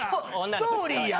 ストーリーやん。